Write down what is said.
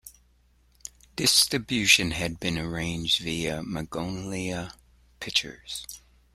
Distribution had been arranged via Magnolia Pictures.